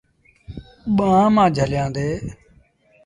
ٻآݩهآݩ مآݩ جھليآݩدي۔